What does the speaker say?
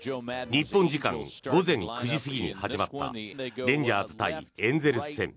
日本時間午前９時過ぎに始まったレンジャーズ対エンゼルス戦。